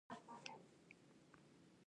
د ماشو لپاره څو ځله اوبه ورکول پکار دي؟